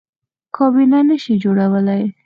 کابینه نه شي جوړولی.